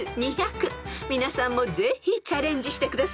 ［皆さんもぜひチャレンジしてください］